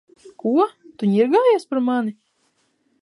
Ko? Tu ņirgājies par mani?!